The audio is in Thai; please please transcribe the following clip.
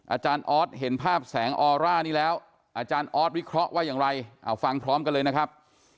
อาจารย์ออสเห็นภาพแสงออร่านี้แล้วอาจารย์ออสวิเคราะห์ว่าอย่างไรเอาฟังพร้อมกันเลยนะครับ